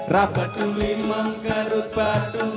rapat pilih mangaru batu